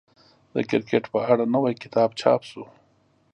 د کرکټ په اړه نوی کتاب چاپ شو.